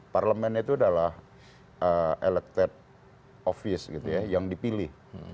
parlemen itu adalah elected office gitu ya yang dipilih